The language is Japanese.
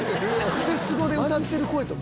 『クセスゴ』で歌ってる声と